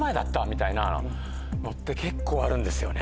みたいなって結構あるんですよね。